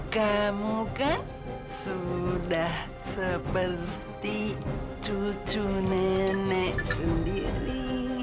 kamu kan sudah seperti cucu nenek sendiri